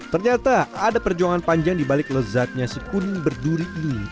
ternyata ada perjuangan panjang di balik lezatnya si kuning berduri ini